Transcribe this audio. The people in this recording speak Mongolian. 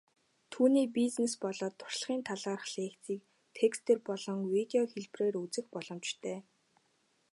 Түүний бизнес болоод туршлагын талаарх лекцийг текстээр болон видео хэлбэрээр үзэх боломжтой.